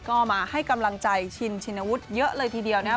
ก็มาให้กำลังใจชินชินวุฒิเยอะเลยทีเดียวนะครับ